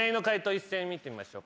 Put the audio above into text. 一応見てみましょう。